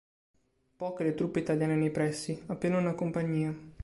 Poche le truppe italiane nei pressi, appena una compagnia.